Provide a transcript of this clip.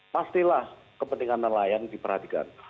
pastilah kepentingan nelayan diperhatikan